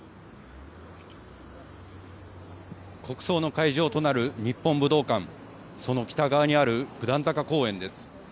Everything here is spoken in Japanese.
国葬の会場となる日本武道館、その北側にある九段坂公園です。